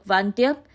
và ăn tiếp